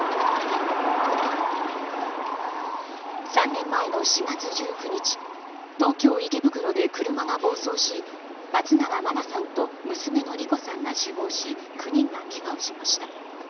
３年前の４月１９日東京・池袋で車が暴走し、松永真菜さんと娘の莉子さんが死亡し９人がけがをしました。